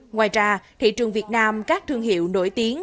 ngoài ra thị trường việt nam các thương hiệu nổi tiếng